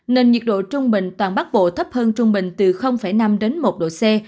nên nhiệt độ trung bình toàn bắc bộ thấp hơn trung bình từ năm đến một độ c